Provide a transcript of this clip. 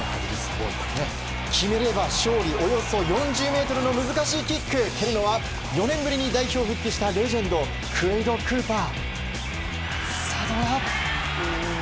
決めれば勝利、およそ４０ｍの難しいキック、蹴るのは４年ぶりに代表に復帰したレジェンドクウェイド・クーパー。